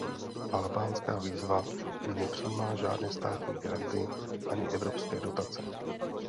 Albánská výzva nepřijímá žádné státní granty ani evropské dotace.